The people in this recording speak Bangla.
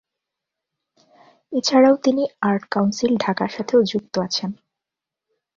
এছাড়াও তিনি আর্ট কাউন্সিল ঢাকার সাথেও যুক্ত আছেন।